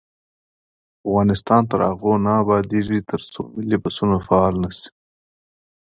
افغانستان تر هغو نه ابادیږي، ترڅو ملي بسونه فعال نشي.